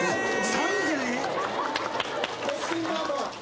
３２！？